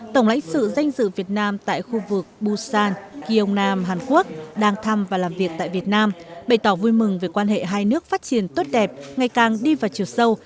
tổng lãnh sự danh dự việt nam tại khu vực busan kiong nam hàn quốc đang thăm và làm việc tại việt nam bày tỏ vui mừng về quan hệ hai nước phát triển tốt đẹp ngày càng đi vào chiều sâu